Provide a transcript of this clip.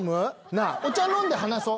なあお茶飲んで話そう。